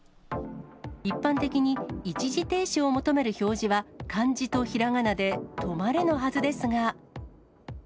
一般的に、一時停止を求める表示は、漢字とひらがなで止まれのはずですが。